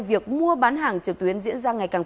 việc mua bán hàng trực tuyến diễn ra ngày càng